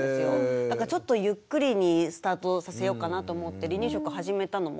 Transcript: だからちょっとゆっくりにスタートさせようかなと思って離乳食始めたのも７か月で。